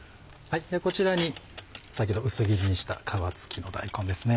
こちらに先ほど薄切りにした皮付きの大根ですね。